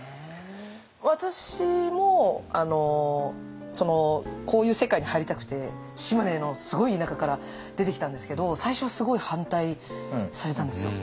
私もこういう世界に入りたくて島根のすごい田舎から出てきたんですけど最初はすごい反対されたんですよ。